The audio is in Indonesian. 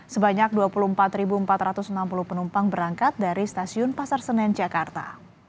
sebanyak dua puluh empat empat ratus enam puluh penumpang berangkat dari stasiun pasar senen jakarta